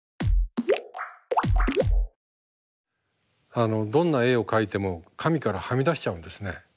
あのどんな絵を描いても紙からはみ出しちゃうんですね。